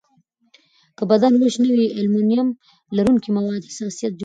که بدن وچ نه وي، المونیم لرونکي مواد حساسیت جوړوي.